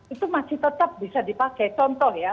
itu masih tetap bisa dipakai contohnya